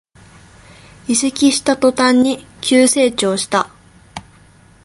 移籍した途端に急成長した